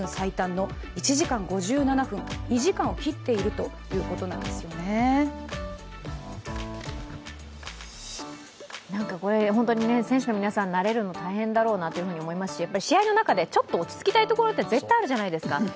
アメリカメディアによりますと本当に選手の皆さん慣れるの大変だろうなと思いますしやっぱり試合の中でちょっと落ち着きたいところって絶対あるじゃないですか。